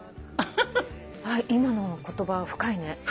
あっ今の言葉深いね。